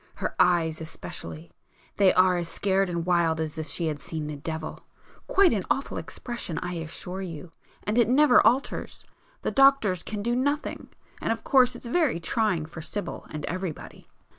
Her eyes especially;—they are as scared and wild as if she had seen the devil. Quite an awful expression I assure you!—and it never alters. The doctors can do nothing—and of course it's very trying for Sibyl, and everybody."